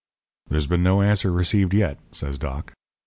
"'There's been no answer received yet,' says Doc.